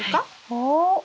おお？